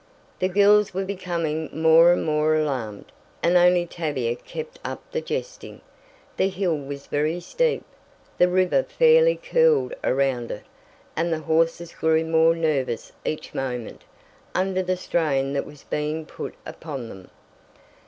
The girls were becoming more and more alarmed, and only Tavia kept up the jesting. The hill was very steep, the river fairly curled around it, and the horses grew more nervous each moment, under the strain that was being put upon them.